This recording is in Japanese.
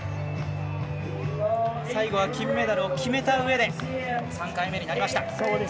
最後は金メダルを決めたうえで３回目になりました。